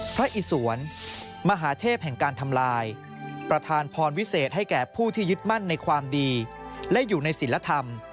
พระอิสวนมหาเทพแห่งการทำลายประธานพรวิเศษให้แก่ผู้ที่ยึดมั่นในความดีและอยู่ในศิลธรรม